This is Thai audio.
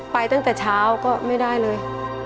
ไปตั้งแต่เช้าก็ไม่ได้เลย